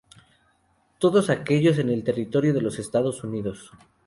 Todos ellos en el territorio de los Estados Unidos.